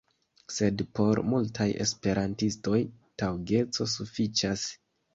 Sed por multaj Esperantistoj taŭgeco sufiĉas.